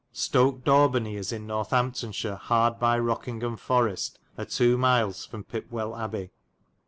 Stoke Dawbeney is in Northamptonshire hard by Rokyng ham Forest a 2. miles from Pipwell Abbay.